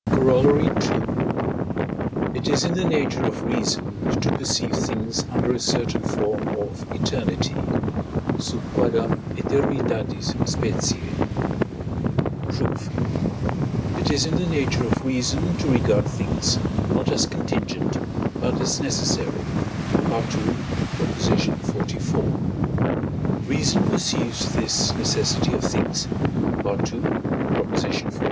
Corollary II. It is in the nature of reason to perceive things under a certain form of eternity (sub quâdam æternitatis specie). Proof. It is in the nature of reason to regard things, not as contingent, but as necessary (II. xliv.). Reason perceives this necessity of things (II. xli.)